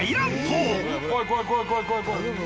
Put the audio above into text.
「怖い怖い怖い怖い」